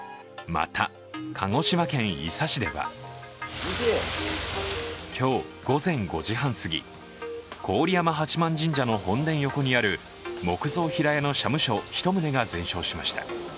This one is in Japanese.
また、鹿児島県伊佐市では今日午前５時半すぎ郡山八幡神社の本殿横にある木造平屋の社務所１棟が全焼しました。